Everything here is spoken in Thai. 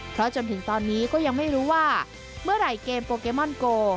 เพราะจนถึงตอนนี้ก็ยังไม่รู้ว่าเมื่อไหร่เกมโปเกมอนโก